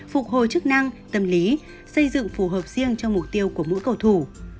phục hồi chức năng tâm lý xây dựng phù hợp riêng cho mục tiêu của mỗi cầu thủ